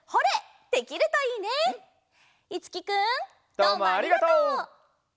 どうもありがとう。